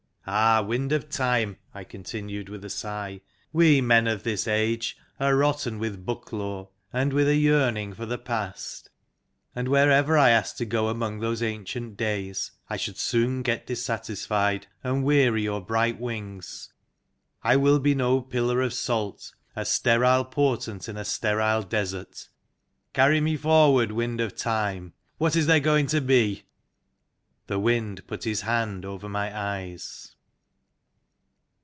" Ah, Wind of Time," I continued with a sigh, " we men of this age are rotten with book lore, and with a INTRODUCTION 5 yearning for the past. And wherever I asked to go among those ancient days, I should soon get dis satisfied, and weary your bright wings. I will be no pillar of salt, a sterile portent in a sterile desert. Carry me forward, Wind of Time. What is there going to be ?" The Wind put his hand over my eyes.